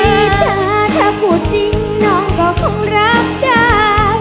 พี่จ้าถ้าพูดจริงน้องก็คงรักจ้า